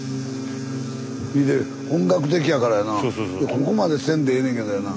ここまでせんでええねんけどやな。